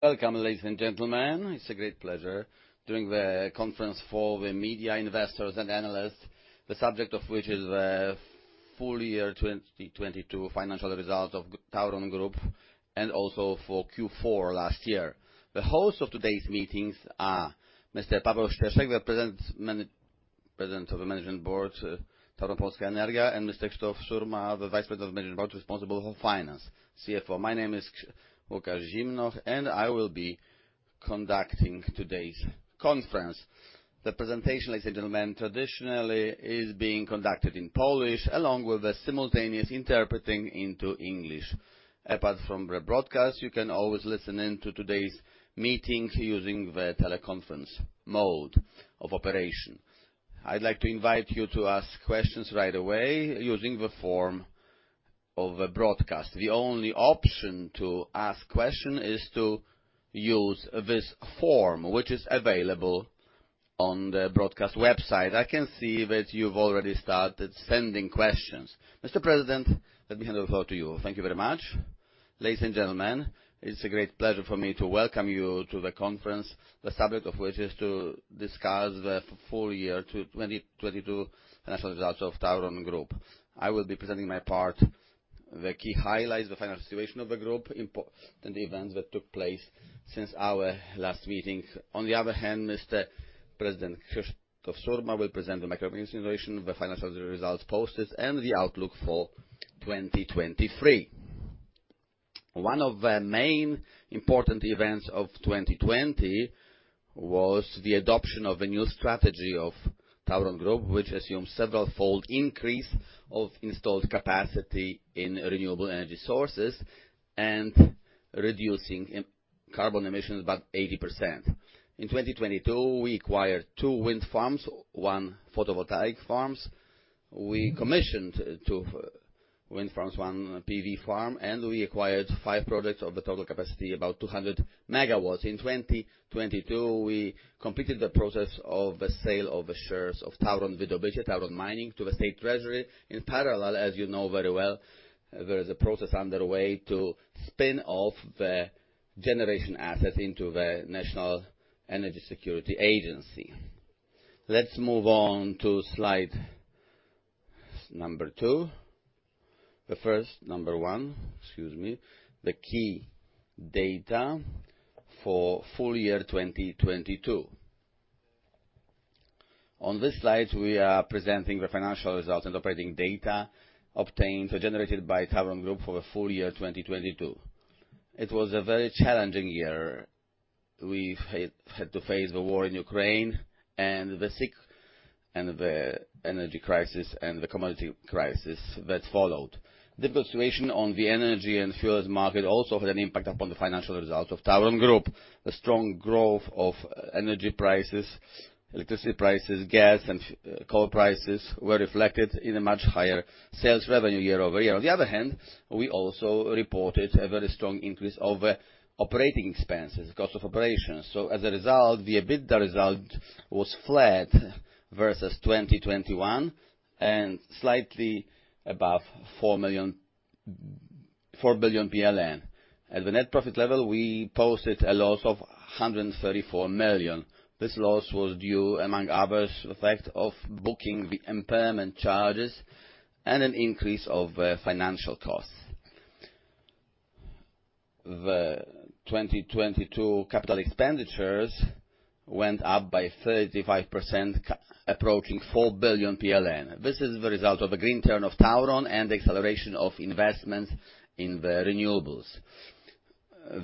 Welcome, ladies and gentlemen. It's a great pleasure doing the conference for the media investors and analysts, the subject of which is the full year 2022 financial results of TAURON Group and also for Q4 last year. The host of today's meetings are Mr. Paweł Szczęszek, the President of the Management Board, TAURON Polska Energia, and Mr. Krzysztof Surma, the Vice President of Management Board responsible for Finance, CFO. My name is Łukasz Zimnoch. I will be conducting today's conference. The presentation, ladies and gentlemen, traditionally is being conducted in Polish, along with the simultaneous interpreting into English. Apart from the broadcast, you can always listen in to today's meetings using the teleconference mode of operation. I'd like to invite you to ask questions right away using the form of a broadcast. The only option to ask question is to use this form, which is available on the broadcast website. I can see that you've already started sending questions. Mr. President, let me hand over to you. Thank you very much. Ladies and gentlemen, it's a great pleasure for me to welcome you to the conference, the subject of which is to discuss the full year 2022 financial results of TAURON Group. I will be presenting my part, the key highlights, the final situation of the group, and the events that took place since our last meeting. On the other hand, Mr. President Krzysztof Surma will present the macroeconomics situation, the financial results posted, and the outlook for 2023. One of the main important events of 2020 was the adoption of a new strategy of TAURON Group, which assumes several fold increase of installed capacity in renewable energy sources and reducing carbon emissions by 80%. In 2022, we acquired two wind farms, one photovoltaic farms. We commissioned two wind farms, one PV farm, and we acquired five products of the total capacity about 200 MW. In 2022, we completed the process of the sale of the shares of TAURON Wydobycie, TAURON Mining, to the State Treasury. In parallel, as you know very well, there is a process underway to spin off the generation assets into the National Energy Security Agency. Let's move on to slide number two. Number one, excuse me, the key data for full year 2022. On this slide, we are presenting the financial results and operating data obtained or generated by TAURON Group for the full year 2022. It was a very challenging year. We've had to face the war in Ukraine and the energy crisis and the commodity crisis that followed. The situation on the energy and fuels market also had an impact upon the financial result of TAURON Group. The strong growth of energy prices, electricity prices, gas and coal prices were reflected in a much higher sales revenue year-over-year. On the other hand, we also reported a very strong increase of operating expenses, cost of operations. As a result, the EBITDA result was flat versus 2021 and slightly above 4 billion PLN. At the net profit level, we posted a loss of 134 million. This loss was due, among others, the fact of booking the impairment charges and an increase of financial costs. The 2022 capital expenditures went up by 35%, approaching 4 billion PLN. This is the result of a Green Turn of TAURON and the acceleration of investments in the renewables.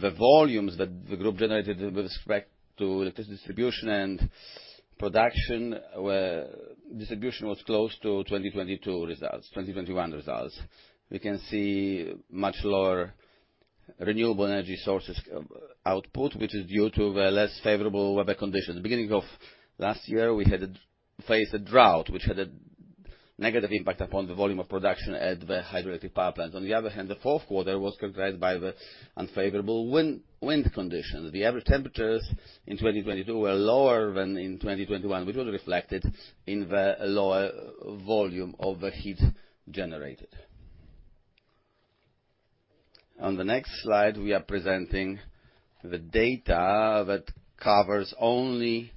The volumes that the group generated with respect to electricity distribution and production were. Distribution was close to 2021 results. We can see much lower renewable energy sources output, which is due to the less favorable weather conditions. Beginning of last year, we had to face a drought, which had a negative impact upon the volume of production at the hydroelectric power plants. On the other hand, the Q4 was characterized by the unfavorable wind conditions. The average temperatures in 2022 were lower than in 2021, which was reflected in the lower volume of the heat generated. On the next slide, we are presenting the data that covers only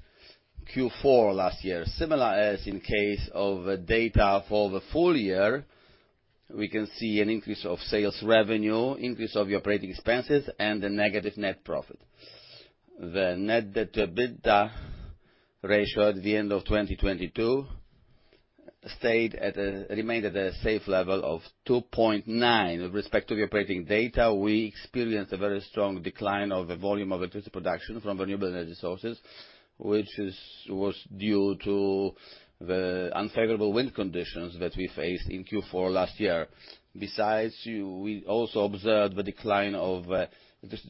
Q4 last year. Similar as in case of data for the full year, we can see an increase of sales revenue, increase of the operating expenses, and a negative net profit. The net debt to EBITDA ratio at the end of 2022 remained at a safe level of 2.9. With respect to the operating data, we experienced a very strong decline of the volume of electricity production from renewable energy sources, which was due to the unfavorable wind conditions that we faced in Q4 last year. We also observed the decline of electricity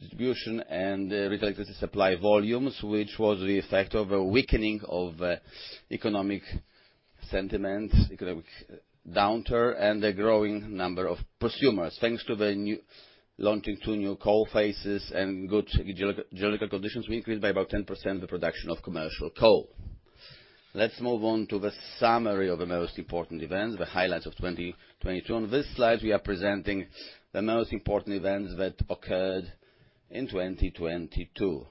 distribution and the retail electricity supply volumes, which was the effect of a weakening of economic sentiment, economic downturn, and the growing number of prosumers. Thanks to the launching 2 new coal phases and good geological conditions, we increased by about 10% the production of commercial coal. Let's move on to the summary of the most important events, the highlights of 2022. On this slide, we are presenting the most important events that occurred in 2022.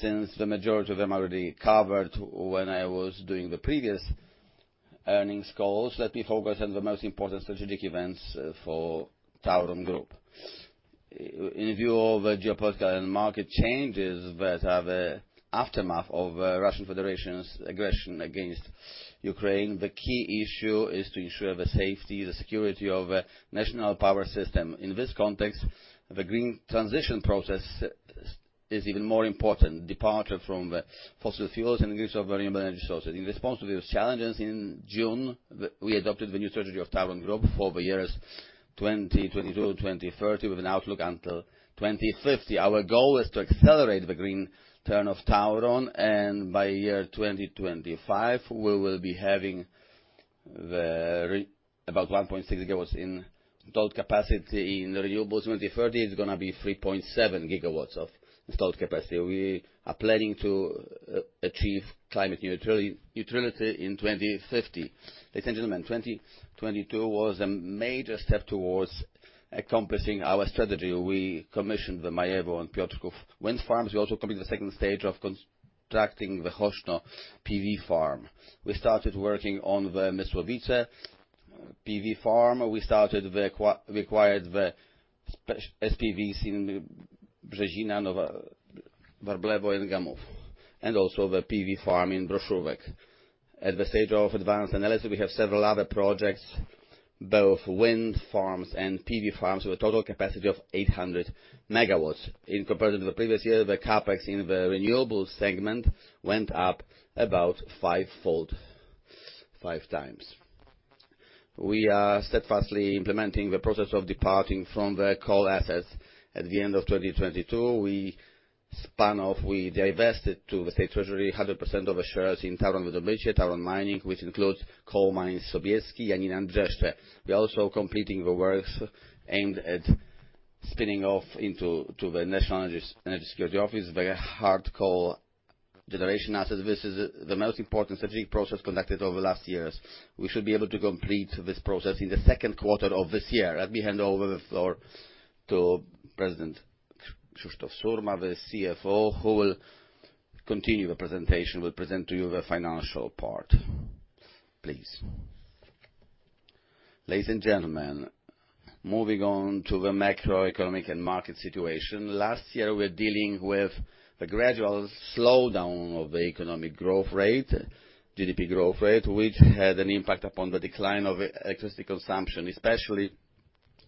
The majority of them already covered when I was doing the previous earnings calls, let me focus on the most important strategic events for TAURON Group. In view of a geopolitical and market changes that are the aftermath of Russian Federation's aggression against Ukraine, the key issue is to ensure the safety, the security of national power system. In this context, the green transition process is even more important. Departure from the fossil fuels and increase of renewable energy sources. In response to these challenges in June, we adopted the new strategy of TAURON Group for the years 2022 to 2030, with an outlook until 2050. Our goal is to accelerate the Green Turn of TAURON, and by year 2025, we will be having about 1.6 GW in total capacity in renewables. 2030, it's gonna be 3.7 GW of installed capacity. We are planning to achieve climate neutrality in 2050. Ladies and gentlemen, 2022 was a major step towards accomplishing our strategy. We commissioned the Majewo and Piotrków wind farms. We also completed the second stage of constructing the Choszczno PV farm. We started working on theMysłowice PV farm. We started acquired the SPVs in Brzezina, Warblewo, and Gamów. Also the PV farm in Proszówek. At the stage of advanced analysis, we have several other projects, both wind farms and PV farms, with a total capacity of 800 MW. In comparison to the previous year, the CapEx in the renewables segment went up about 5 times. We are steadfastly implementing the process of departing from the coal assets. At the end of 2022, we spun off, we divested to the State Treasury 100% of the shares in TAURON Wydobycie, TAURON Mining, which includes coal mines Sobieski, Janina, and Brzeszcze. We're also completing the works aimed at spinning off to the National Energy Security Office, the hard coal generation assets. This is the most important strategic process conducted over the last years. We should be able to complete this process in the Q2 of this year. Let me hand over the floor to President Krzysztof Surma, the CFO, who will continue the presentation, will present to you the financial part. Please. Ladies and gentlemen, moving on to the macroeconomic and market situation. Last year, we're dealing with a gradual slowdown of the economic growth rate, GDP growth rate, which had an impact upon the decline of electricity consumption, especially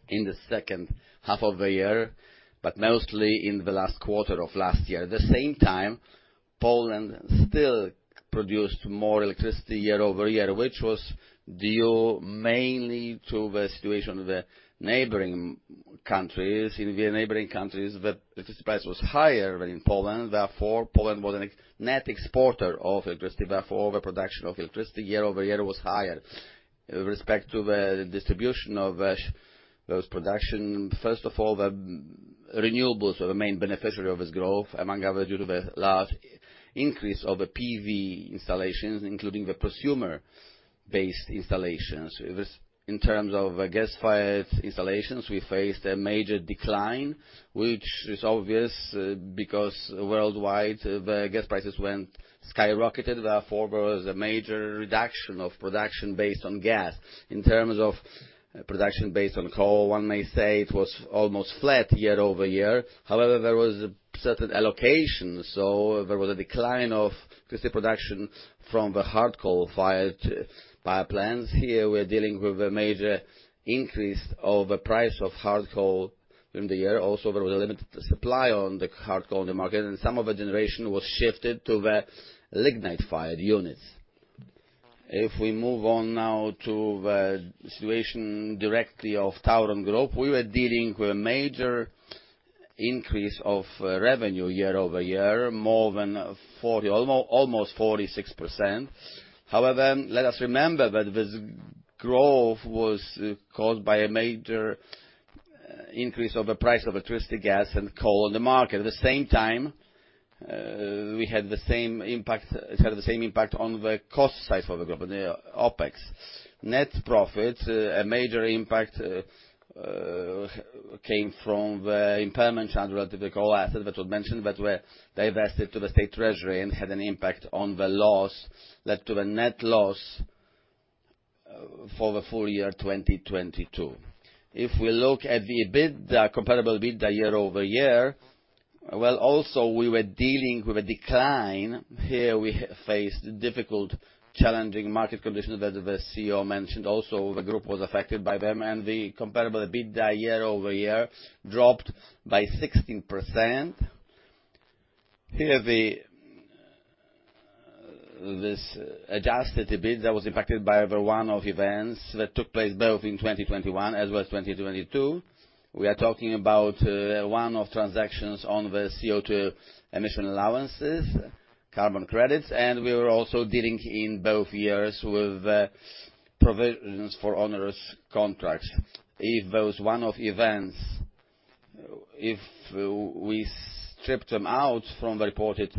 in the H2 of the year, but mostly in the last quarter of last year. At the same time, Poland still produced more electricity year-over-year, which was due mainly to the situation in the neighboring countries. In the neighboring countries, the electricity price was higher than in Poland. Poland was a net exporter of electricity. The production of electricity year-over-year was higher. With respect to the distribution of those production, first of all, the renewables were the main beneficiary of this growth, among other due to the large increase of the PV installations, including the prosumer-based installations. In terms of the gas-fired installations, we faced a major decline, which is obvious, because worldwide, the gas prices went skyrocketed. Therefore, there was a major reduction of production based on gas. In terms of production based on coal, one may say it was almost flat year-over-year. However, there was certain allocations. There was a decline of electricity production from the hard coal-fired power plants. Here, we're dealing with a major increase of the price of hard coal in the year. Also, there was a limited supply on the hard coal in the market, and some of the generation was shifted to the lignite-fired units. If we move on now to the situation directly of TAURON Group, we were dealing with a major increase of revenue year-over-year, more than 40, almost 46%. However, let us remember that this growth was caused by a major increase of the price of electricity, gas, and coal on the market. At the same time, we had the same impact, sort of the same impact on the cost side of the company, the OpEx. Net profit, a major impact came from the impairment charge related to coal assets that was mentioned, but were divested to the State Treasury and had an impact on the loss, led to a net loss for the full year 2022. If we look at the EBITDA, comparable EBITDA year-over-year, well, also, we were dealing with a decline. We faced difficult challenging market conditions that the CEO mentioned also. The group was affected by them, the comparable EBITDA year-over-year dropped by 16%. This adjusted EBIT that was impacted by the one-off events that took place both in 2021 as well as 2022. We are talking about one-off transactions on the CO2 emission allowances, carbon credits, we were also dealing in both years with provisions for onerous contracts. If those one-off events, we strip them out from the reported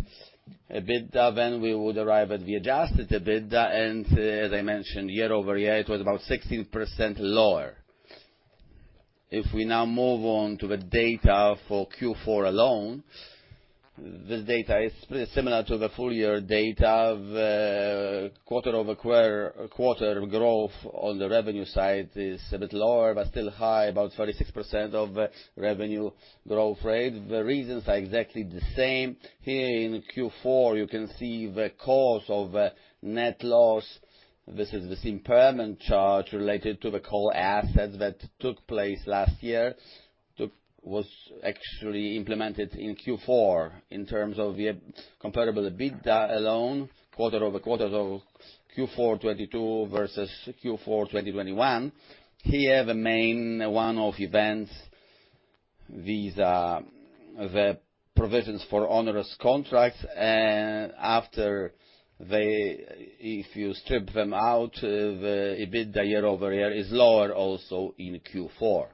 EBITDA, we would arrive at the adjusted EBITDA, as I mentioned, year-over-year, it was about 16% lower. If we now move on to the data for Q4 alone, this data is similar to the full year data. The quarter-over-quarter growth on the revenue side is a bit lower, still high, about 36% of revenue growth rate. The reasons are exactly the same. Here in Q4, you can see the cause of net loss. This is this impairment charge related to the coal assets that took place last year, was actually implemented in Q4. In terms of the comparable EBITDA alone, quarter-over-quarter of Q4 2022 versus Q4 in 2021. Here, the main one-off events, these are the provisions for onerous contracts. After they, if you strip them out, the EBITDA year-over-year is lower also in Q4.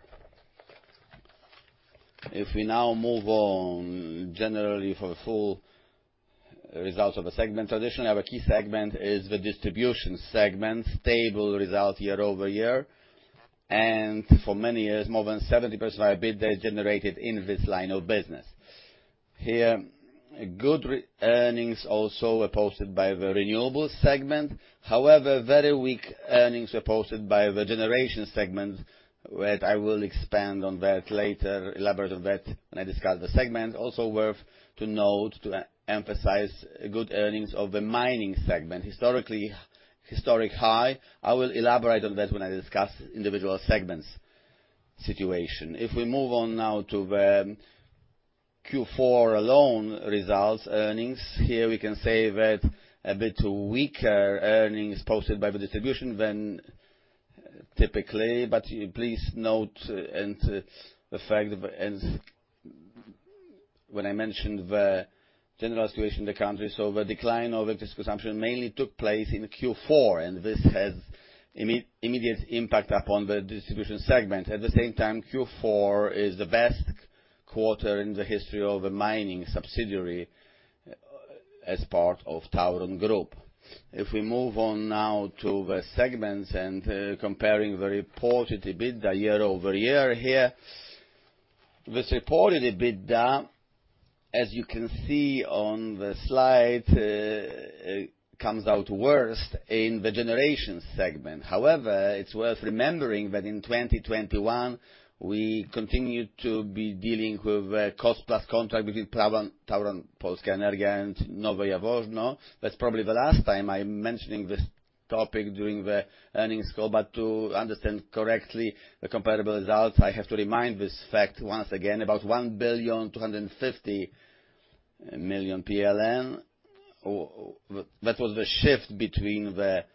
We now move on generally for the full results of a segment. Traditionally, our key segment is the distribution segment, stable result year-over-year. For many years, more than 70% of EBITDA is generated in this line of business. Here, good earnings also were posted by the renewables segment. Very weak earnings were posted by the generation segment, which I will expand on that later, elaborate on that when I discuss the segment. Worth to note, to emphasize good earnings of the mining segment. Historically, historic high. I will elaborate on that when I discuss individual segment's situation. We move on now to the Q4 alone results earnings, here we can say that a bit weaker earnings posted by the distribution than typically. Please note and the fact and when I mentioned the general situation in the country, so the decline of electricity consumption mainly took place in Q4, and this has immediate impact upon the distribution segment. At the same time, Q4 is the best quarter in the history of the mining subsidiary as part of TAURON Group. If we move on now to the segments and comparing the reported EBITDA year-over-year here. This reported EBITDA, as you can see on the slide, comes out worse in the generation segment. It's worth remembering that in 2021, we continued to be dealing with a cost-plus contract between TAURON Polska Energia and Nowe Jaworzno. That's probably the last time I'm mentioning this topic during the earnings call, but to understand correctly the comparable results, I have to remind this fact once again, about 1.25 billion. That was the shift between the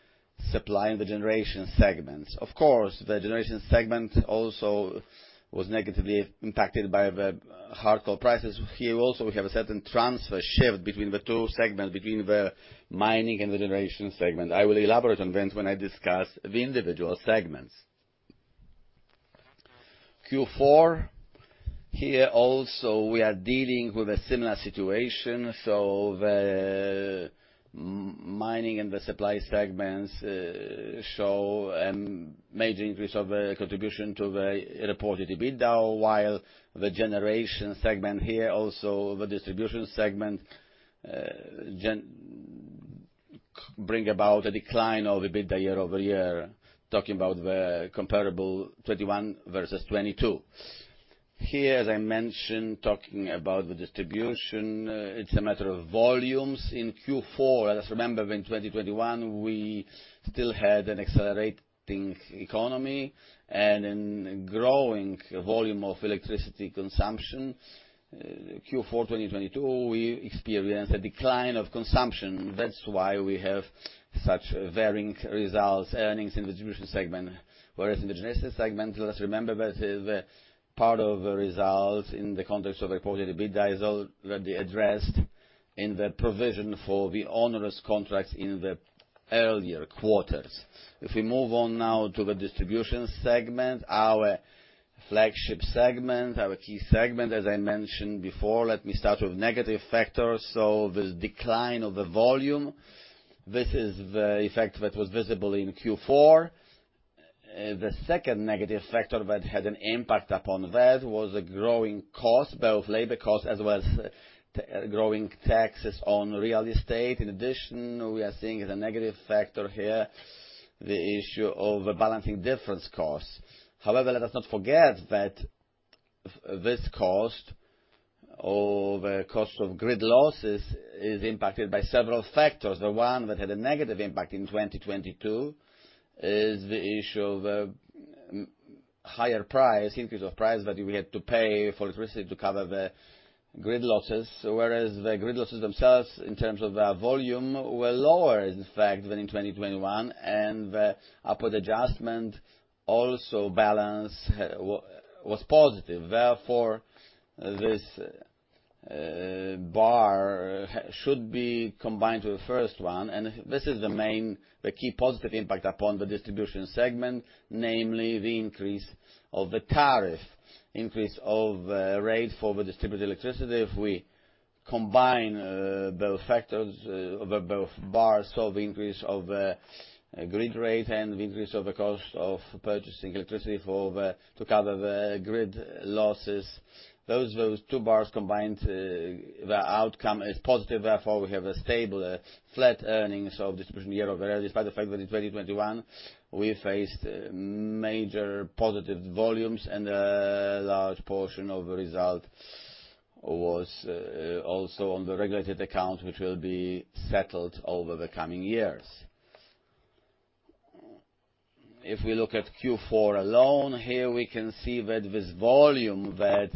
supply and the generation segments. The generation segment also was negatively impacted by the hard coal prices. Here also, we have a certain transfer shift between the two segments, between the mining and the generation segment. I will elaborate on that when I discuss the individual segments. Q4, here also we are dealing with a similar situation. The mining and the supply segments show major increase of contribution to the reported EBITDA, while the generation segment here, also the distribution segment, bring about a decline of EBITDA year-over-year, talking about the comparable 2021 versus 2022. Here, as I mentioned, talking about the distribution, it's a matter of volumes. In Q4, let's remember in 2021, we still had an accelerating economy and an growing volume of electricity consumption. Q4 in 2022, we experienced a decline of consumption. That's why we have such varying results, earnings in the distribution segment. Whereas in the generation segment, let's remember that the part of the results in the context of the reported EBITDA is already addressed in the provision for the onerous contracts in the earlier quarters. We move on now to the distribution segment, our flagship segment, our key segment, as I mentioned before, let me start with negative factors. The decline of the volume, this is the effect that was visible in Q4. The second negative factor that had an impact upon that was a growing cost, both labor cost as well as growing taxes on real estate. In addition, we are seeing the negative factor here, the issue of balancing difference costs. However, let us not forget that this cost or the cost of grid losses is impacted by several factors. The one that had a negative impact in 2022 is the issue of higher price, increase of price that we had to pay for electricity to cover the grid losses. Whereas the grid losses themselves, in terms of their volume, were lower, in fact, than in 2021, and the upward adjustment also balance was positive. Therefore, this, bar should be combined to the first one, and this is the main, the key positive impact upon the distribution segment, namely the increase of the tariff, increase of rate for the distributed electricity. If we combine both factors, both bars of increase of grid rate and the increase of the cost of purchasing electricity to cover the grid losses, those two bars combined, the outcome is positive. We have a stable, flat earnings of distribution year-over-year, despite the fact that in 2021, we faced major positive volumes and a large portion of the result was also on the regulated account, which will be settled over the coming years. We look at Q4 alone, here we can see that this volume that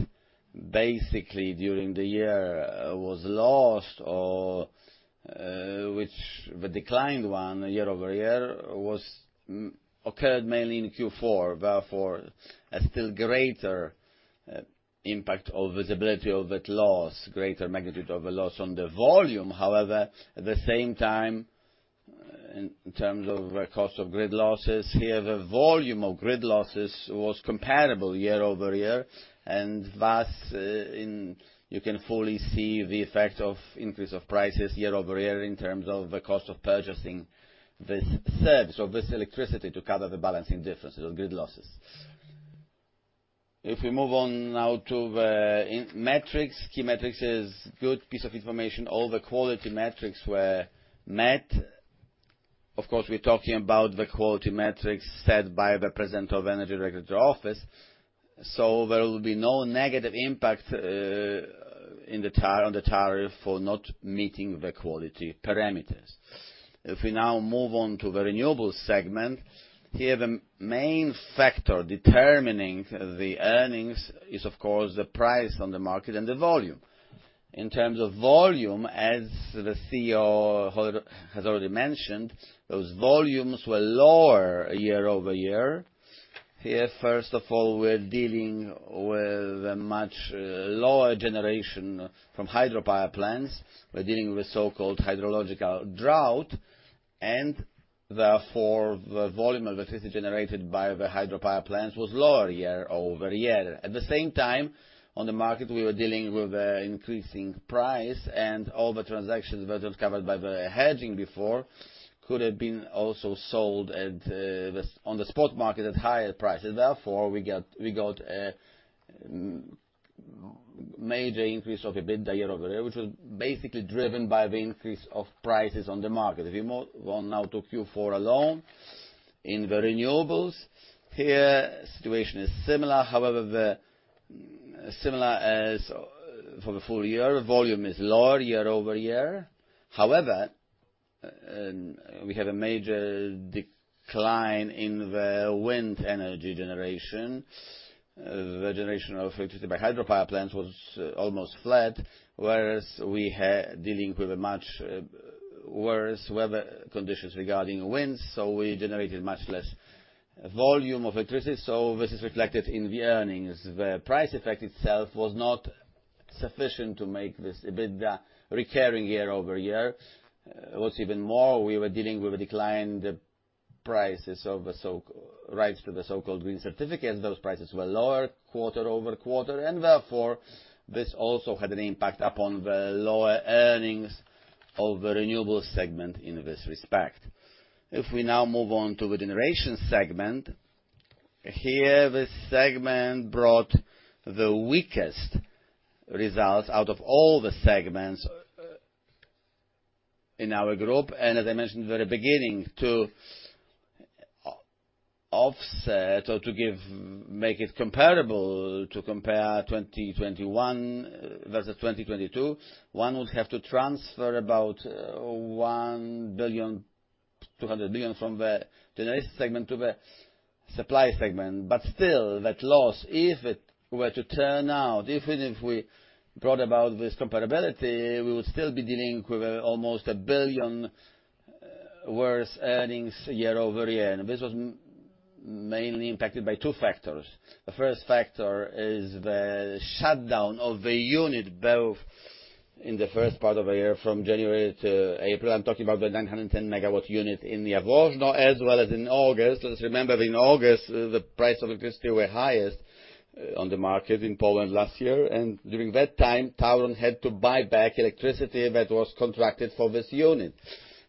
basically during the year was lost or, which the declined one year-over-year was occurred mainly in Q4. A still greater impact of visibility of that loss, greater magnitude of a loss on the volume. At the same time, in terms of cost of grid losses, here the volume of grid losses was comparable year-over-year, and thus you can fully see the effect of increase of prices year-over-year in terms of the cost of purchasing this service or this electricity to cover the balancing difference or grid losses. If we move on now to the metrics, key metrics is good piece of information. All the quality metrics were met. Of course, we're talking about the quality metrics set by the President of the Energy Regulatory Office. There will be no negative impact on the tariff for not meeting the quality parameters. If we now move on to the renewables segment, here the main factor determining the earnings is of course the price on the market and the volume. In terms of volume, as the CEO has already mentioned, those volumes were lower year-over-year. Here, first of all, we're dealing with a much lower generation from hydropower plants. We're dealing with so-called hydrological drought. Therefore, the volume of electricity generated by the hydropower plants was lower year-over-year. At the same time, on the market, we were dealing with an increasing price and all the transactions that was covered by the hedging before could have been also sold on the spot market at higher prices. Therefore, we got a major increase of EBITDA year-over-year, which was basically driven by the increase of prices on the market. If you want now to Q4 alone in the renewables, here situation is similar. However, the similar as for the full year, volume is lower year-over-year. We have a major decline in the wind energy generation. The generation of electricity by hydropower plants was almost flat, whereas we dealing with a much worse weather conditions regarding winds, so we generated much less volume of electricity, so this is reflected in the earnings. The price effect itself was not sufficient to make this EBITDA recurring year-over-year. It was even more. We were dealing with a decline, the prices of the rights to the so-called green certificates. Those prices were lower quarter-over-quarter and therefore, this also had an impact upon the lower earnings of the renewables segment in this respect. If we now move on to the generation segment, here this segment brought the weakest results out of all the segments in our group. As I mentioned at the very beginning, to offset or make it comparable, to compare 2021 versus 2022, one would have to transfer about 1.2 billion from the generation segment to the supply segment. Still, that loss, if it were to turn out, even if we brought about this comparability, we would still be dealing with almost 1 billion worse earnings year-over-year. This was mainly impacted by two factors. The first factor is the shutdown of the unit, both in the H1 of the year from January 2022 to April 2022. I'm talking about the 910 MW unit in Jaworzno as well as in August 2022. Let's remember in August 2022, the price of electricity were highest on the market in Poland last year. During that time, TAURON had to buy back electricity that was contracted for this unit.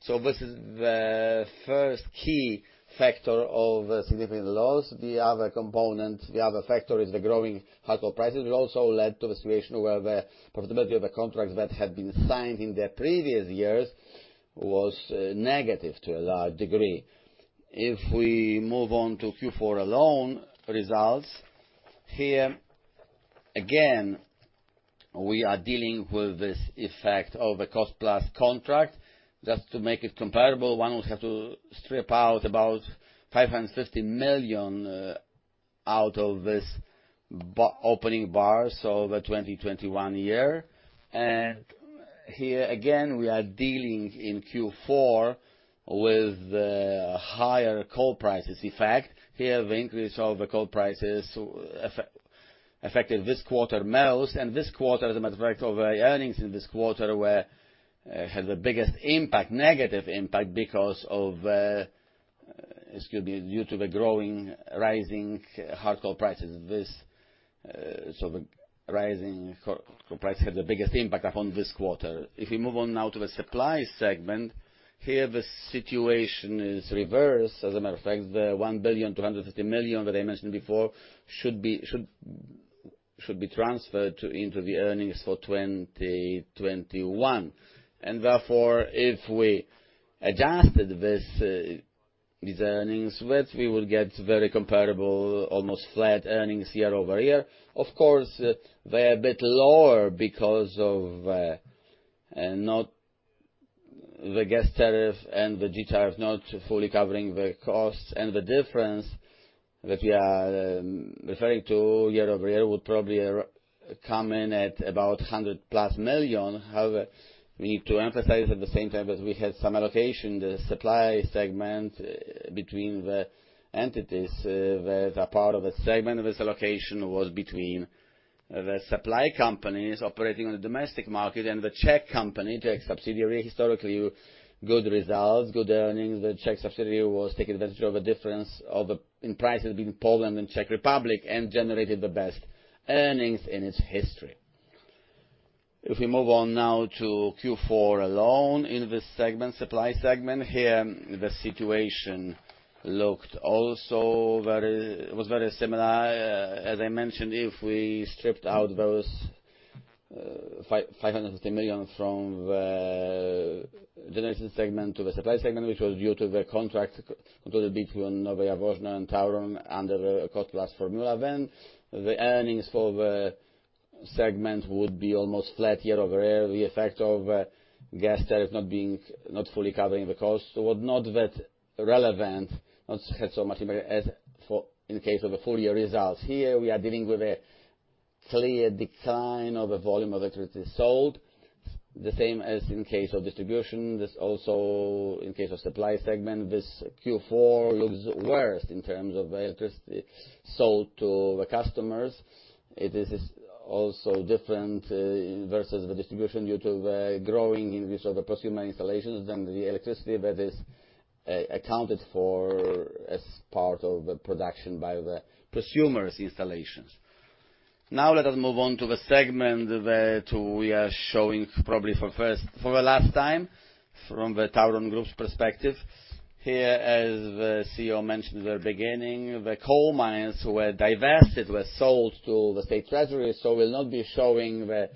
This is the first key factor of a significant loss. The other component, the other factor is the growing household prices, which also led to the situation where the profitability of the contracts that had been signed in the previous years was negative to a large degree. If we move on to Q4 alone results, here again, we are dealing with this effect of a cost-plus contract. Just to make it comparable, one would have to strip out about 550 million out of this bar, opening bar, so the 2021 year. Here again, we are dealing in Q4 with the higher coal prices effect. Here, the increase of the coal prices affected this quarter most, and this quarter, as a matter of fact, our earnings in this quarter were had the biggest impact, negative impact, because of, excuse me, due to the growing, rising hard coal prices. This, the rising coal prices had the biggest impact upon this quarter. If we move on now to the supply segment, here the situation is reversed. As a matter of fact, the 1.25 billion that I mentioned before should be transferred to, into the earnings for 2021. Therefore, if we adjusted these earnings with, we will get very comparable, almost flat earnings year-over-year. Of course, they're a bit lower because of not the gas tariff and the G tariff not fully covering the costs and the difference that we are referring to year-over-year would probably come in at about 100+ million. However, we need to emphasize at the same time that we had some allocation, the supply segment between the entities. The part of the segment of this allocation was between the supply companies operating on the domestic market and the Czech company, Czech subsidiary. Historically, good results, good earnings. The Czech subsidiary was taking advantage of the difference in prices between Poland and Czech Republic and generated the best earnings in its history. If we move on now to Q4 alone in this segment, supply segment, here the situation looked also very similar. As I mentioned, if we stripped out those 550 million from the generation segment to the supply segment, which was due to the contract concluded between Nowe Jaworzno and TAURON under the cost-plus formula, the earnings for the segment would be almost flat year-over-year. The effect of gas tariff not fully covering the cost was not that relevant, not had so much impact as for in case of a full year results. Here we are dealing with a clear decline of the volume of electricity sold, the same as in case of distribution. This also in case of supply segment, this Q4 looks worse in terms of the electricity sold to the customers. It is also different versus the distribution due to the growing increase of the prosumer installations and the electricity that is accounted for as part of the production by the prosumers installations. Now, let us move on to the segment that we are showing probably for first, for the last time from the TAURON Group's perspective. Here, as the CEO mentioned at the beginning, the coal mines were divested, were sold to the State Treasury, so we'll not be showing the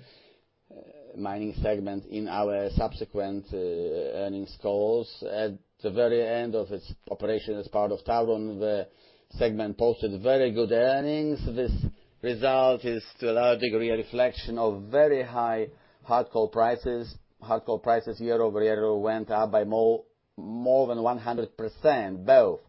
mining segment in our subsequent earnings calls. At the very end of its operation as part of TAURON, the segment posted very good earnings. This result is to a large degree a reflection of very high hard coal prices. Hard coal prices year-over-year went up by more than 100%, both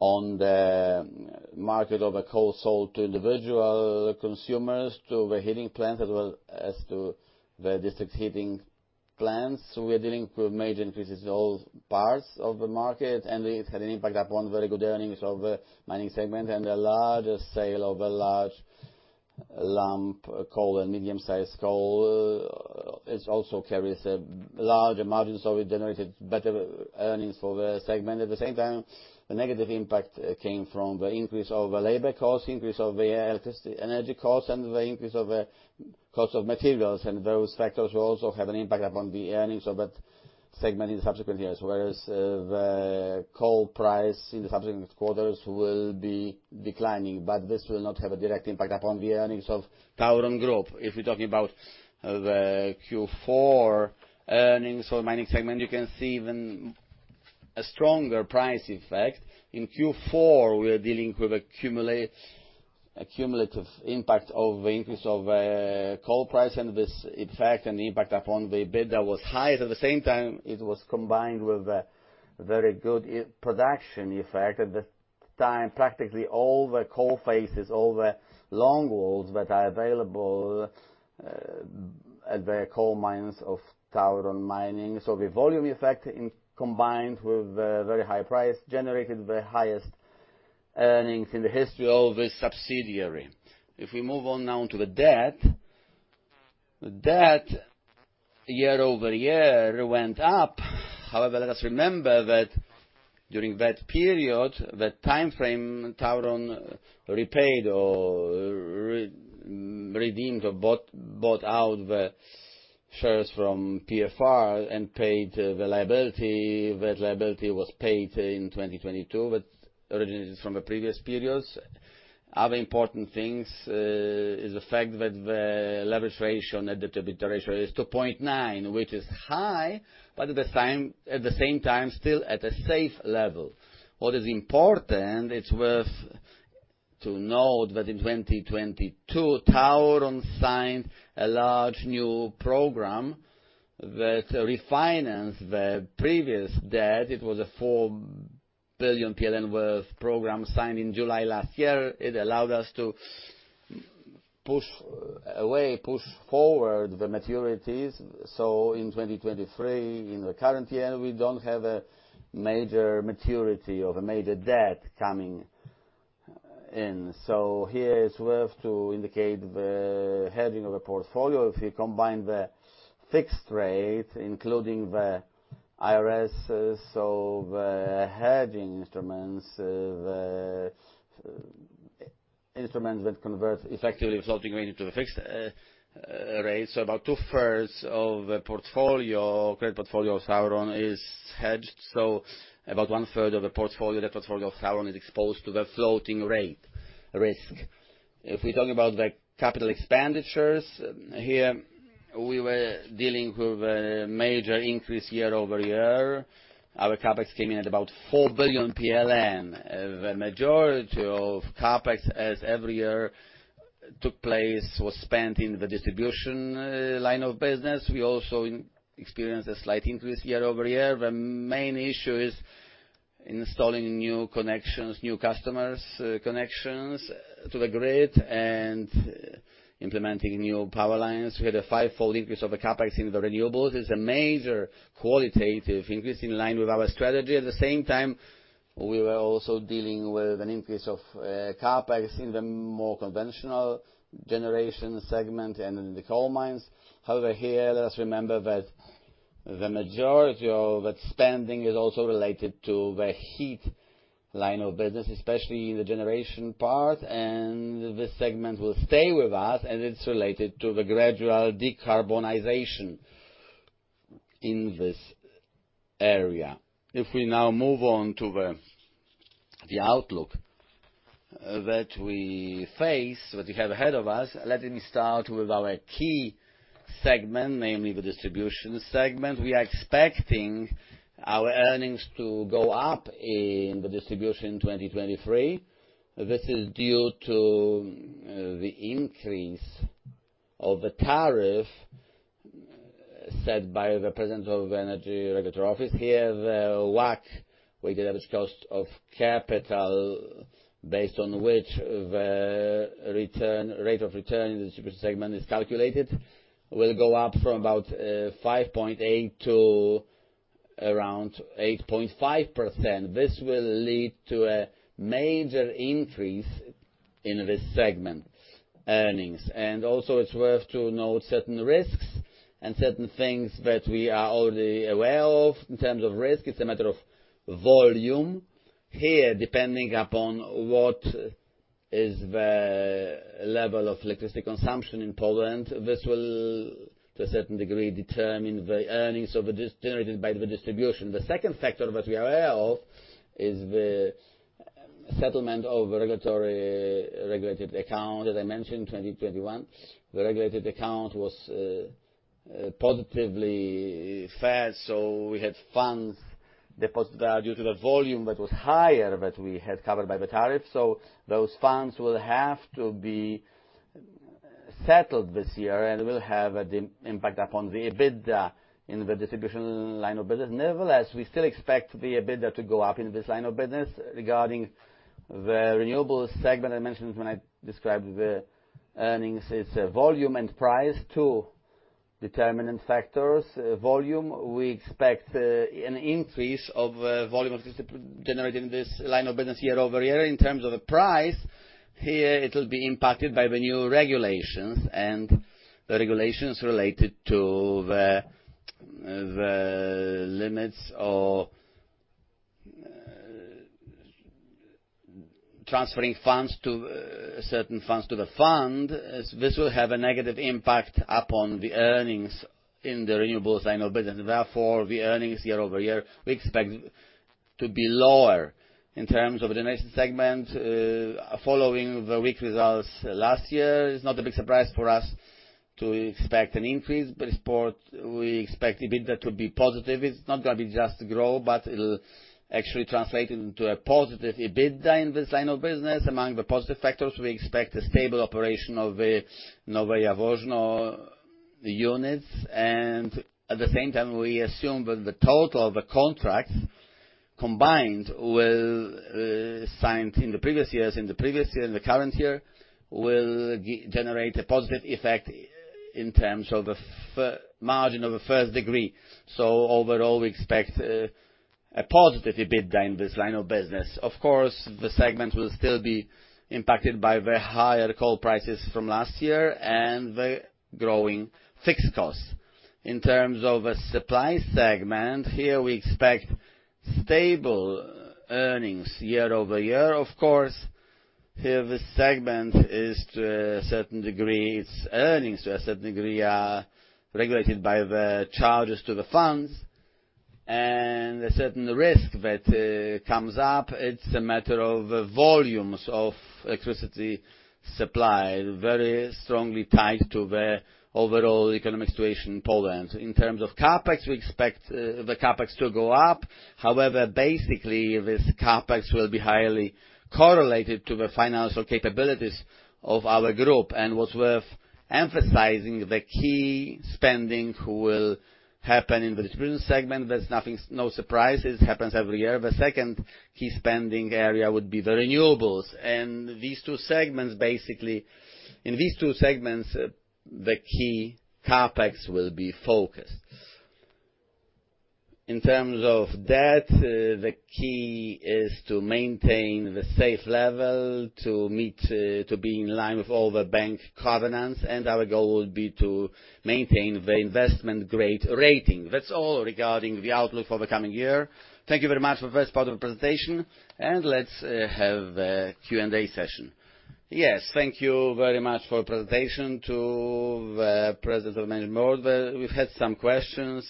on the market of the coal sold to individual consumers, to the heating plants, as well as to the district heating plants. We are dealing with major increases in all parts of the market. It had an impact upon very good earnings of the mining segment and a large sale of a large lump coal and medium-sized coal. It also carries large margins, so it generated better earnings for the segment. At the same time, the negative impact came from the increase of the labor cost, increase of the electricity energy cost, and the increase of the cost of materials. Those factors will also have an impact upon the earnings of that segment in subsequent years. Whereas the coal price in the subsequent quarters will be declining, but this will not have a direct impact upon the earnings of TAURON Group. If we're talking about the Q4 earnings for mining segment, you can see even a stronger price effect. In Q4, we are dealing with accumulative impact of increase of coal price and this effect, an impact upon the bid that was high. At the same time, it was combined with a very good production effect. At the time, practically all the coal faces, all the long walls that are available at the coal mines of TAURON Mining. The volume effect combined with a very high price, generated the highest earnings in the history of this subsidiary. If we move on now to the debt, the debt year-over-year went up. Let us remember that during that period, the timeframe TAURON repaid or re-redeemed or bought out the shares from PFR and paid the liability. That liability was paid in 2022, that originated from the previous periods. Other important things is the fact that the leverage ratio, net debt to EBITDA ratio is 2.9, which is high, but at the same time, still at a safe level. What is important, it's worth to note that in 2022, TAURON signed a large new program that refinance the previous debt. It was a 4 billion PLN worth program signed in July last year. It allowed us to push forward the maturities. In 2023, in the current year, we don't have a major maturity of a major debt coming in. Here it's worth to indicate the heading of a portfolio. You combine the fixed rate, including the IRS, so the hedging instruments, the instruments that convert effectively floating rate into the fixed rate. About two-thirds of the portfolio, credit portfolio of TAURON is hedged, so about one-third of the portfolio, the portfolio of TAURON is exposed to the floating rate risk. We talk about the capital expenditures, here we were dealing with a major increase year-over-year. Our CapEx came in at about 4 billion. The majority of CapEx, as every year, took place, was spent in the distribution line of business. We also experienced a slight increase year-over-year. The main issue is installing new connections, new customers, connections to the grid and implementing new power lines. We had a five-fold increase of the CapEx in the renewables. It's a major qualitative increase in line with our strategy. At the same time, we were also dealing with an increase of CapEx in the more conventional generation segment and in the coal mines. Here, let us remember that the majority of that spending is also related to the heat line of business, especially in the generation part. This segment will stay with us, and it's related to the gradual decarbonization in this area. If we now move on to the outlook that we face, that we have ahead of us, let me start with our key segment, namely the distribution segment. We are expecting our earnings to go up in the distribution in 2023. This is due to the increase of the tariff set by the President of the Energy Regulatory Office here. The WACC, weighted average cost of capital, based on which the return, rate of return in the distribution segment is calculated, will go up from about 5.8% to around 8.5%. This will lead to a major increase in this segment's earnings. Also, it's worth to note certain risks and certain things that we are already aware of in terms of risk. It's a matter of volume here, depending upon what is the level of electricity consumption in Poland. This will, to a certain degree, determine the earnings generated by the distribution. The second factor that we are aware of is the settlement of regulated account. As I mentioned, in 2021, the regulated account was positively fair, so we had funds due to the volume that was higher, that we had covered by the tariff. Those funds will have to be settled this year and will have an impact upon the EBITDA in the distribution line of business. Nevertheless, we still expect the EBITDA to go up in this line of business. Regarding the renewables segment, I mentioned when I described the earnings, it's volume and price, two determinant factors. Volume, we expect an increase of volume generated in this line of business year-over-year. In terms of the price, here it will be impacted by the new regulations and the regulations related to the limits of transferring funds to certain funds to the fund, as this will have a negative impact upon the earnings in the renewables line of business. Therefore, the earnings year-over-year, we expect to be lower. In terms of the next segment, following the weak results last year, it's not a big surprise for us to expect an increase. We expect EBITDA to be positive. It's not gonna be just grow, but it'll actually translate into a positive EBITDA in this line of business. Among the positive factors, we expect a stable operation of the Nowe Jaworzno units. At the same time, we assume that the total of the contracts combined with signed in the previous years, in the previous year, in the current year, will generate a positive effect in terms of the margin of the first degree. Overall, we expect a positive EBITDA in this line of business. Of course, the segment will still be impacted by the higher coal prices from last year and the growing fixed costs. In terms of a supply segment, here we expect stable earnings year-over-year. Of course, here the segment is, to a certain degree, its earnings to a certain degree, are regulated by the charges to the funds and a certain risk that comes up. It's a matter of volumes of electricity supply, very strongly tied to the overall economic situation in Poland. In terms of CapEx, we expect the CapEx to go up. However, basically, this CapEx will be highly correlated to the financial capabilities of our group. What's worth emphasizing, the key spending will happen in the distribution segment. There's nothing, no surprises. It happens every year. The second key spending area would be the renewables. These two segments, basically, in these two segments, the key CapEx will be focused. In terms of debt, the key is to maintain the safe level to be in line with all the bank covenants, and our goal would be to maintain the investment grade rating. That's all regarding the outlook for the coming year. Thank you very much for the first part of the presentation, and let's have a Q&A session. Yes. Thank you very much for presentation to the President of Management Board. We've had some questions.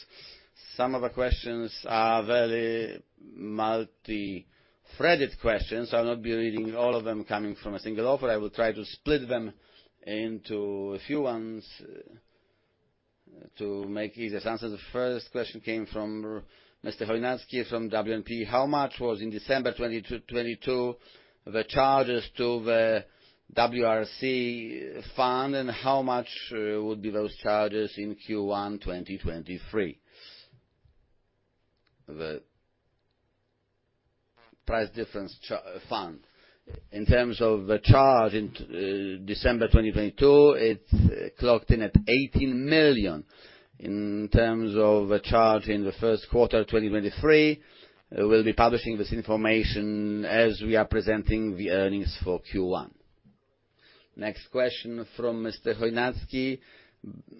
Some of the questions are very multi-threaded questions, so I'll not be reading all of them coming from a single author. I will try to split them into a few ones to make it easier to answer. The first question came from Mr. Chojnacki from WNP. How much was in December 2022 the charges to the WRC fund, and how much would be those charges in Q1 2023? The price difference fund. In terms of the charge in December 2022, it clocked in at 18 million. In terms of the charge in the first quarter 2023, we'll be publishing this information as we are presenting the earnings for Q1. Next question from Mr. Chojnacki.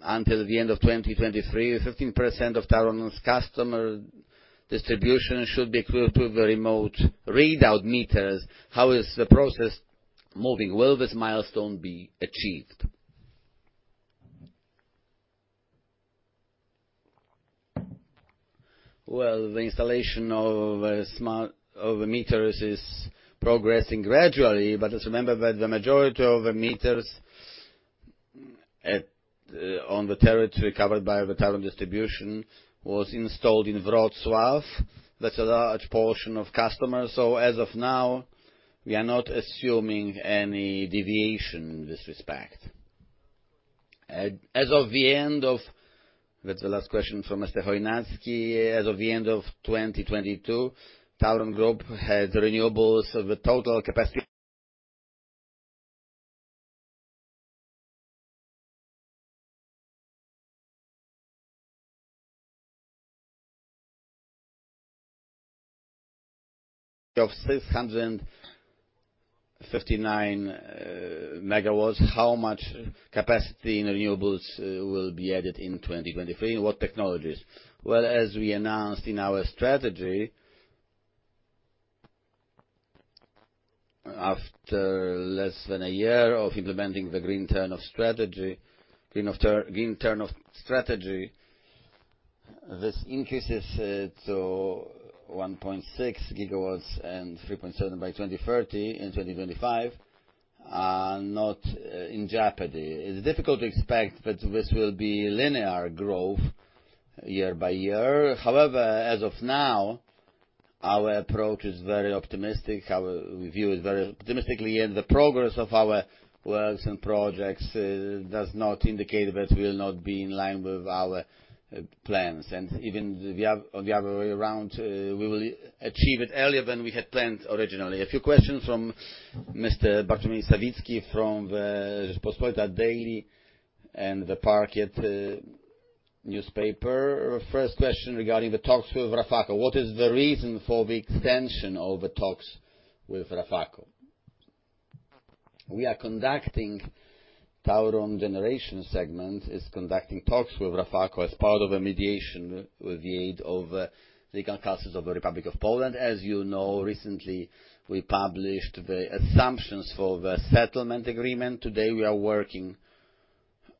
Until the end of 2023, 15% of TAURON's customer distribution should be equipped with remote readout meters. How is the process moving? Will this milestone be achieved? Well, the installation of the meters is progressing gradually, but just remember that the majority of the meters on the territory covered by the TAURON Distribution was installed in Wrocław. That's a large portion of customers. As of now, we are not assuming any deviation in this respect. That's the last question from Mr. Chojnacki. As of the end of 2022, TAURON Group had renewables with total capacity of 659 MW. How much capacity in renewables will be added in 2023? What technologies? As we announced in our strategy, after less than a year of implementing the Green Turn of TAURON strategy, this increases it to 1.6 GW and 3.7 GW by 2030. In 2025, are not in jeopardy. It's difficult to expect that this will be linear growth year by year. As of now, our approach is very optimistic. Our view is very optimistically, and the progress of our works and projects does not indicate that we'll not be in line with our plans. Even the other way around, we will achieve it earlier than we had planned originally. A few questions from Mr. Bartłomiej Sawicki from the Rzeczpospolita Daily and the Parkiet Newspaper. First question regarding the talks with Rafako. What is the reason for the extension of the talks with Rafako? TAURON Generation segment is conducting talks with Rafako as part of a mediation with the aid of legal counsel of the Republic of Poland. As you know, recently we published the assumptions for the settlement agreement. Today, we are working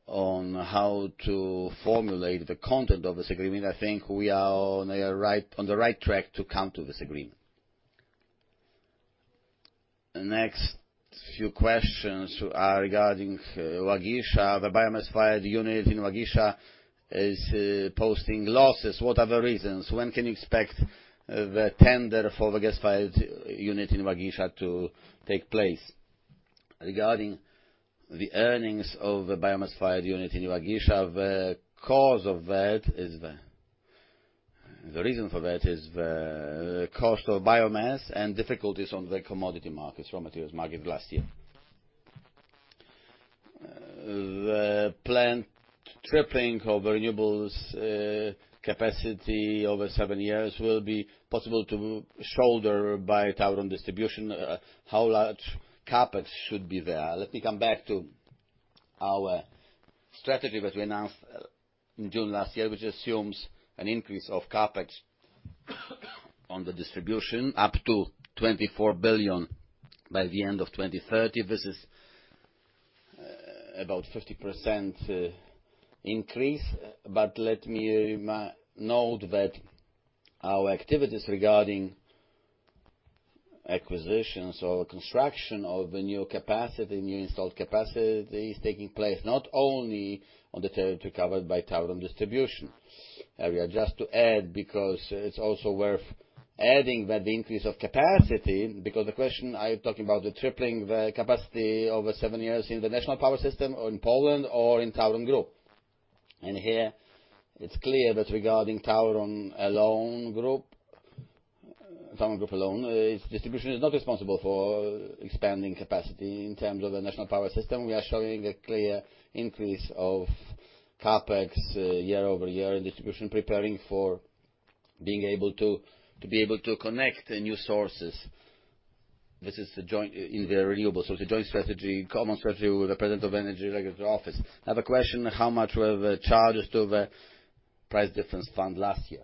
on how to formulate the content of this agreement. I think we are on the right track to come to this agreement. The next few questions are regarding Łagisza. The biomass-fired unit in Łagisza is posting losses. What are the reasons? When can you expect the tender for the gas-fired unit in Łagisza to take place? Regarding the earnings of the biomass-fired unit in Łagisza, the reason for that is the cost of biomass and difficulties on the commodity markets, raw materials market last year. The planned tripling of renewables capacity over seven years will be possible to shoulder by TAURON Dystrybucja. How large CapEx should be there? Let me come back to our strategy that we announced in June last year, which assumes an increase of CapEx on the distribution up to 24 billion by the end of 2030. This is about 50% increase. Let me note that our activities regarding acquisitions or construction of the new capacity, new installed capacity, is taking place not only on the territory covered by TAURON Dystrybucja. I will adjust to add, because it's also worth adding that the increase of capacity, because the question, are you talking about the tripling the capacity over seven years in the national power system or in Poland or in TAURON Group? Here it's clear that regarding TAURON Group alone, its distribution is not responsible for expanding capacity in terms of the national power system. We are showing a clear increase of CapEx year-over-year in distribution, preparing for being able to connect the new sources. This is the joint in the renewable. The joint strategy, common strategy with the President of the Energy Regulatory Office. I have a question, how much were the charges to the price difference fund last year?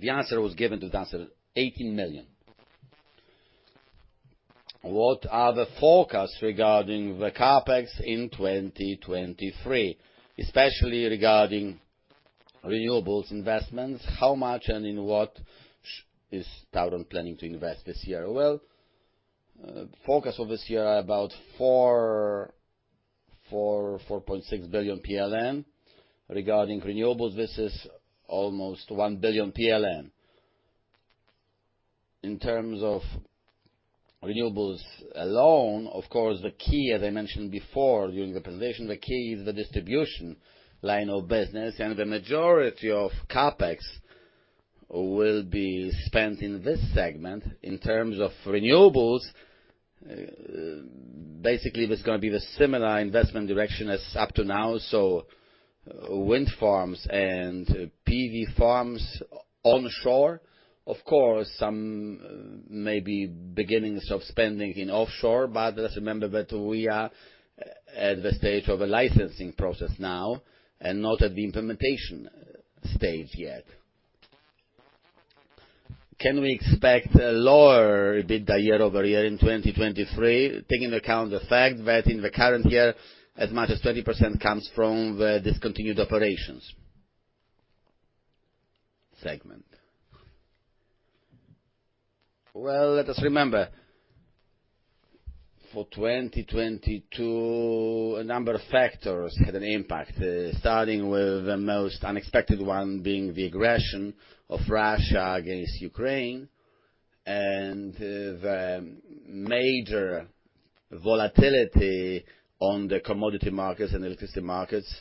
The answer was given to the answer, 18 million. What are the forecasts regarding the CapEx in 2023, especially regarding renewables investments? How much and in what is TAURON planning to invest this year? Well, focus of this year are about 4.6 billion PLN. Regarding renewables, this is almost 1 billion PLN. In terms of renewables alone, of course, the key, as I mentioned before during the presentation, the key is the distribution line of business and the majority of CapEx will be spent in this segment. In terms of renewables, basically there's gonna be the similar investment direction as up to now. Wind farms and PV farms onshore. Of course, some maybe beginnings of spending in offshore, but let's remember that we are at the stage of a licensing process now and not at the implementation stage yet. Can we expect a lower EBITDA year-over-year in 2023, taking into account the fact that in the current year, as much as 20% comes from the discontinued operations segment? Well, let us remember, for 2022, a number of factors had an impact, starting with the most unexpected one being the aggression of Russia against Ukraine and the major volatility on the commodity markets and electricity markets.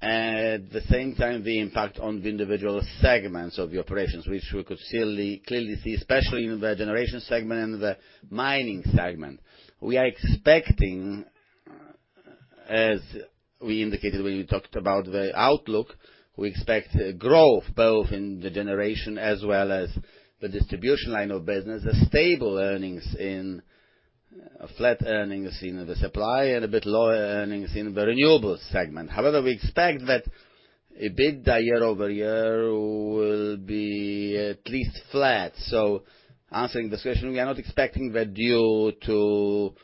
The impact on the individual segments of the operations, which we could clearly see, especially in the generation segment and the mining segment. We are expecting, as we indicated when we talked about the outlook, we expect growth both in the generation as well as the distribution line of business, flat earnings in the supply and a bit lower earnings in the renewables segment. We expect that EBITDA year-over-year will be at least flat. Answering the question, we are not expecting that due to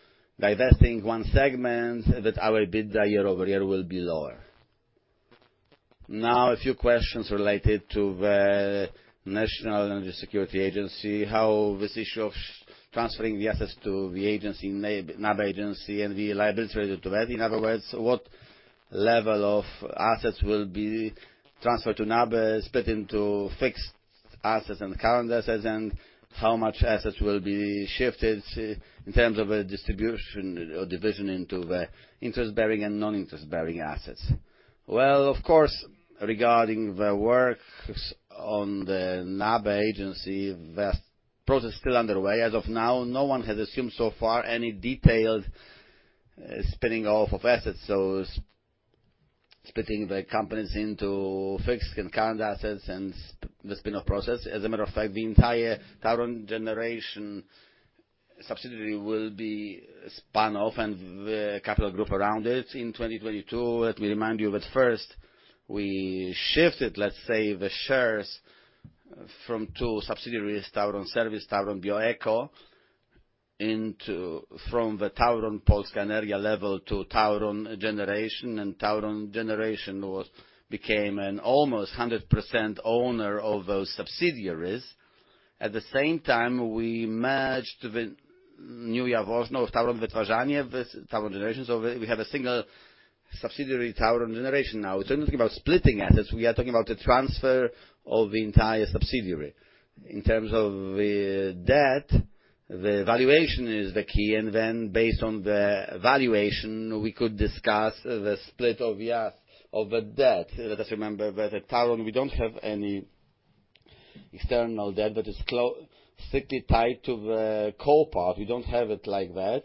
divesting one segment, that our EBITDA year-over-year will be lower. A few questions related to the National Energy Security Agency, how this issue of transferring the assets to the agency, NABE agency and the liabilities related to that. In other words, what level of assets will be transferred to NABE, split into fixed assets and current assets, and how much assets will be shifted in terms of the distribution or division into the interest-bearing and non-interest-bearing assets? Well, of course, regarding the works on the NABE agency, the process is still underway. As of now, no one has assumed so far any detailed spinning off of assets. Splitting the companies into fixed and current assets and the spin-off process. As a matter of fact, the entire TAURON generation subsidiary will be spun off and the capital group around it in 2022. Let me remind you that first we shifted, let's say, the shares from two subsidiaries, TAURON Serwis, Bioeko Grupa TAURON, from the TAURON Polska Energia level to TAURON Generation, and TAURON Generation was became an almost 100% owner of those subsidiaries. At the same time, we merged Nowe Jaworzno Grupa TAURON with TAURON Wytwarzanie with TAURON Generation. We have a single subsidiary, TAURON Generation now. We're talking about splitting assets, we are talking about the transfer of the entire subsidiary. In terms of the debt, the valuation is the key, based on the valuation, we could discuss the split of the debt. Let us remember that at TAURON, we don't have any external debt that is strictly tied to the coal part. We don't have it like that.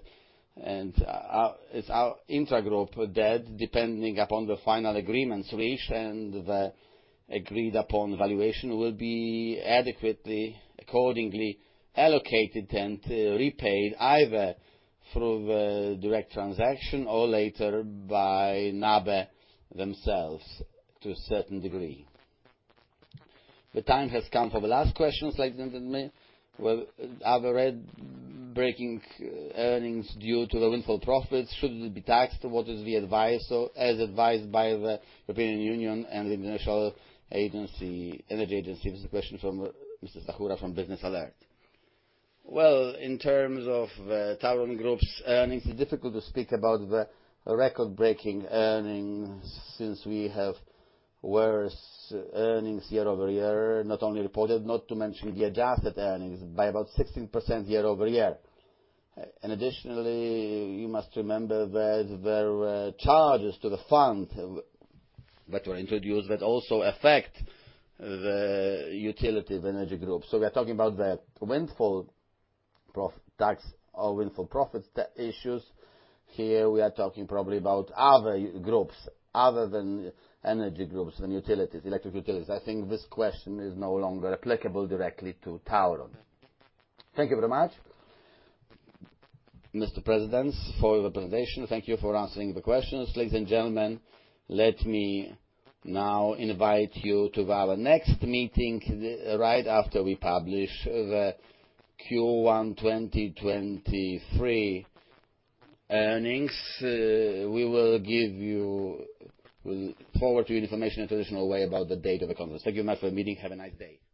It's our intra-group debt, depending upon the final agreements reached and the agreed upon valuation will be adequately, accordingly allocated and repaid either through the direct transaction or later by NABE themselves to a certain degree. The time has come for the last questions, ladies and gentlemen. Well, are the breaking earnings due to the windfall profits? Should it be taxed? What is the advice or as advised by the European Union and the International Energy Agency? This is a question from Mr. Jakóbik from BiznesAlert. Well, in terms of the TAURON Group's earnings, it's difficult to speak about the record-breaking earnings since we have worse earnings year-over-year, not only reported, not to mention the adjusted earnings by about 16% year-over-year. Additionally, you must remember that there were charges to the fund that were introduced that also affect the utility of energy groups. We are talking about the windfall tax or windfall profits issues. Here, we are talking probably about other groups other than energy groups and utilities, electric utilities. I think this question is no longer applicable directly to TAURON. Thank you very much, Mr. Presidents, for your presentation. Thank you for answering the questions. Ladies and gentlemen, let me now invite you to our next meeting, right after we publish the Q1 2023 earnings. We will give you, we'll forward to you information in a traditional way about the date of the conference. Thank you much for the meeting. Have a nice day. Goodbye.